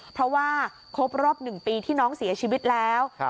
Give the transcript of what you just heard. เพราะว่าครบรอบ๑ปีที่น้องเสียชีวิตแล้ว